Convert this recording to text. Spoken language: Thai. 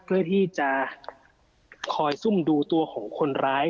เพื่อที่จะคอยซุ่มดูตัวของคนร้าย